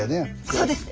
そうです。